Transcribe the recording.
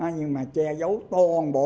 nhưng mà che giấu toàn bộ